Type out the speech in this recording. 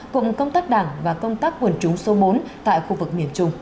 cùng công tác đảng và công tác quần chúng số bốn tại khu vực miền trung